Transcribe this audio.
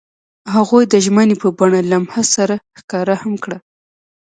هغوی د ژمنې په بڼه لمحه سره ښکاره هم کړه.